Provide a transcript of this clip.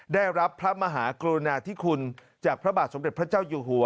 ได้รับพระมหากรุณาธิคุณจากพระบาทสมเด็จพระเจ้าอยู่หัว